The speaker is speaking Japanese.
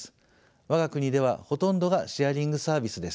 我が国ではほとんどがシェアリングサービスです。